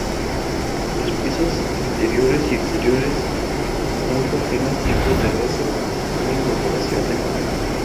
Los pisos interiores y exteriores son continuos tipo terrazo con incorporación de color.